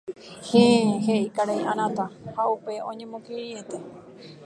“Héẽ” heʼínte karai Anata ha upéi oñemokirirĩete.